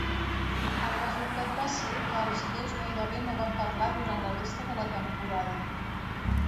El resultat va ser que els dos gairebé no van parlar durant la resta de la temporada.